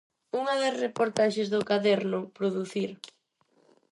Unha das reportaxes do caderno 'Producir'.